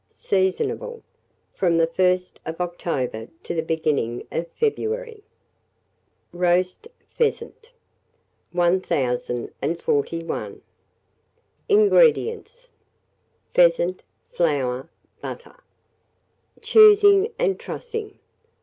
Seasonable from the 1st of October to the beginning of February. ROAST PHEASANT. 1041. INGREDIENTS. Pheasant, flour, butter. Choosing and Trussing.